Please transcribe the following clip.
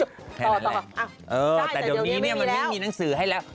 ใช่แต่เดี๋ยวนี้ไม่มีนังสือให้แล้ว